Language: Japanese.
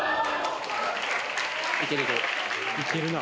いけるな。